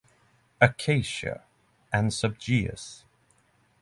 "Acacia" and subg.